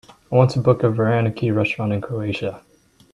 I want to book a varenyky restaurant in Croatia.